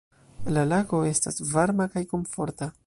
"La lago estas varma kaj komforta."